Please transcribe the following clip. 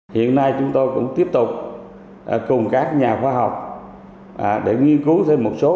hiện nay chúng tôi cũng tiếp tục cùng các nhà khoa học để nghiên cứu thêm một số